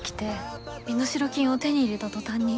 身代金を手に入れた途端に。